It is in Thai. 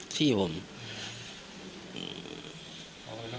ไม่ปลอดภัยเขา